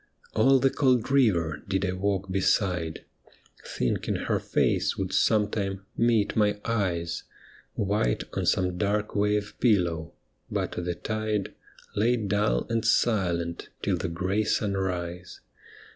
All the cold river did I walk beside, Thinking her face would some time meet my eyes White on some dark wave pillow, but the tide Lay dull and silent till the grey sunrise.